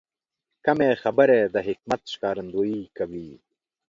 کمې خبرې، د حکمت ښکارندویي کوي.